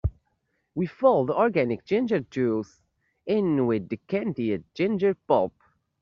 We fold the organic ginger juice in with the candied ginger pulp.